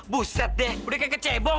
buset deh udah kayak kecebong